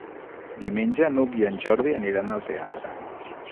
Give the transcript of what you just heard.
Diumenge n'Hug i en Jordi aniran al teatre.